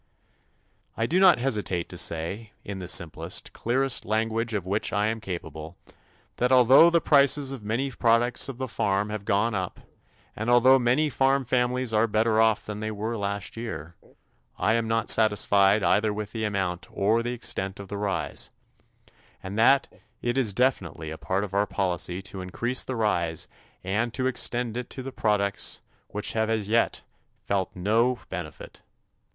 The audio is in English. I do not hesitate to say, in the simplest, clearest language of which I am capable, that although the prices of many products of the farm have gone up and although many farm families are better off than they were last year, I am not satisfied either with the amount or the extent of the rise, and that it is definitely a part of our policy to increase the rise and to extend it to those products which have as yet felt no benefit.